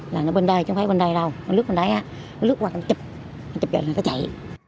là nó bên đây chẳng phải bên đây đâu nó lướt bên đấy á nó lướt qua nó chụp chụp rồi nó chạy